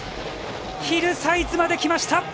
ヒルサイズまで来ました。